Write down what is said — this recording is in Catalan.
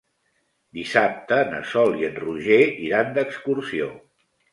Dissabte na Sol i en Roger iran d'excursió.